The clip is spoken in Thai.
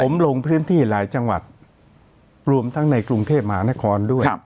ผมลงพื้นที่หลายจังหวัดรวมทั้งในกรุงเทพมหานครด้วย